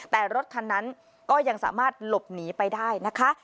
แต่รถคันนั้นก็ยังสามารถหลบหนีไปได้นะคะ